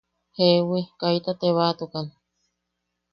–Jeewi, kaita tebaatukan.